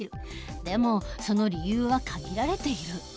でもその理由は限られている。